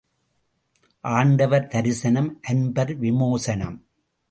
ஆண்டவர் தரிசனம் அன்பர் விமோசனம்.